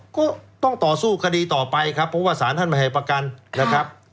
ก็ต้องต่อสู้คดีต่อไปครับเพราะว่าสารท่านไม่ให้ประกันนะครับ